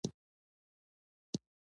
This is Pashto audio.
د بستر غیږ کې ورک پردی توب شي